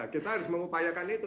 kita harus mengupayakan itu